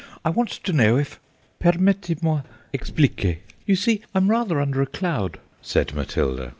I want to know if—" "Permettez moi expliquer. You see, I'm rather under a cloud," said Matilda.